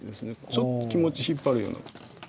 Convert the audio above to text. ちょっと気持ち引っ張るような。